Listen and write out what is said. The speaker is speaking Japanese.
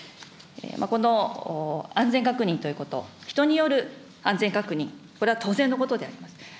この安全確認ということ、人による安全確認、これは当然のことであります。